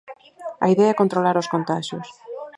A idea é controlar os contaxios.